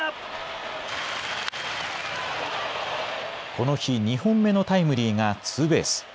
この日２本目のタイムリーがツーベース。